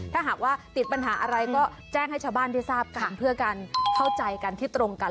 ถ้าหากว่าติดปัญหาอะไรก็แจ้งให้ชาวบ้านได้ทราบกันเพื่อการเข้าใจกันที่ตรงกัน